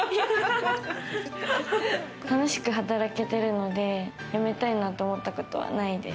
楽しく働けてるので、辞めたいなと思ったことはないです。